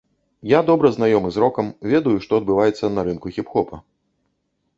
Я добра знаёмы з рокам, ведаю, што адбываецца на рынку хіп-хопа.